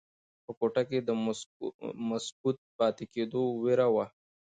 په کوټه کې د مسکوت پاتې کېدو ویره وه.